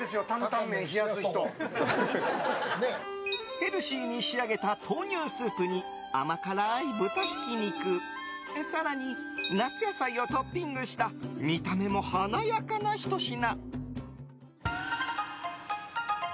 ヘルシーに仕上げた豆乳スープに甘辛い豚ひき肉更に、夏野菜をトッピングした見た目も華やかなひと皿。